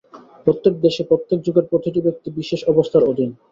প্রত্যেক দেশে প্রত্যেক যুগের প্রতিটি ব্যক্তি বিশেষ অবস্থার অধীন।